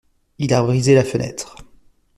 Il a brisé la fenêtre.